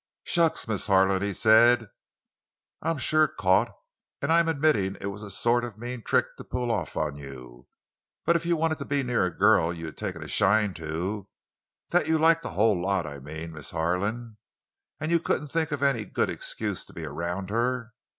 "Shucks, Miss Harlan," he said. "I'm sure caught; and I'm admitting it was a sort of mean trick to pull off on you. But if you wanted to be near a girl you'd taken a shine to—that you liked a whole lot, I mean, Miss Harlan—and you couldn't think of any good excuse to be around her?